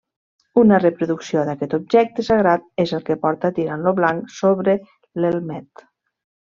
Una reproducció d'aquest objecte sagrat és el que porta Tirant lo Blanc sobre l'elmet.